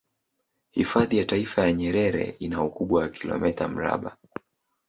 Hifadhi ya taifa ya Nyerere ina ukubwa wa kilomita mraba